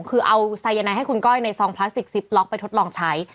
คือเอาไซยาไนให้คุณก้อยในซองพลาสติกซิปล็อกไปทดลองใช้